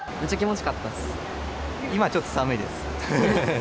今ちょっと寒いです。